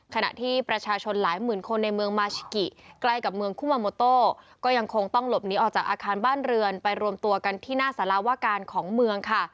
ขณะที่ประชาชนหลายหมื่นคนในเมืองมาชิกิใกล้กับเมืองคุมาโมโต้ก็ยังคงต้องหลบหนีออกจากอาคารบ้านเรือนไปรวมตัวกันที่หน้าสารวการของเมืองค่ะ